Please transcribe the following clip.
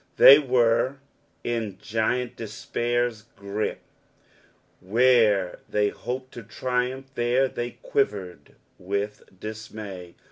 ''' They were in Giant Despair's grip. Where they hoped to triumph, there they quivered with dismay.